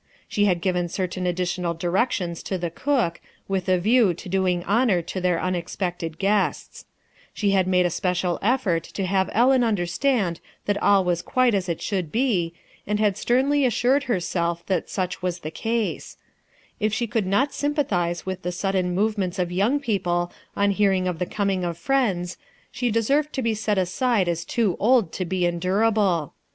She had given certain additional directions to the cook, with a view to doing honor to their unex pected guests She had made a special effort to have Ellen understand that all was quite as it should be, and had sternly assured herself that such was the case If she could not sympathize with the sudden movements of young people on hearing of the coming of friends, she deserved to be set aside as too old to be endurable.